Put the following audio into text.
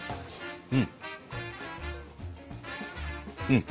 うん！